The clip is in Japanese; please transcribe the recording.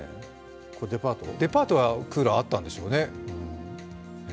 デパートはクーラーがあったんでしょうね。